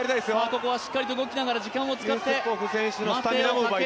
ここはしっかり動きながら時間を使って。